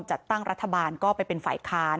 จัดตั้งรัฐบาลก็ไปเป็นฝ่ายค้าน